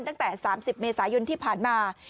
ตั้งแต่๓๐เมษายนที่ผ่านมา